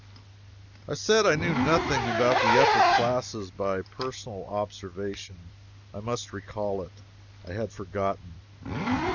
I said I knew nothing against the upper classes by personal observation. I must recall it! I had forgotten.